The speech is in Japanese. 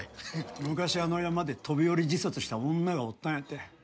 昔あの山で飛び降り自殺した女がおったんやて。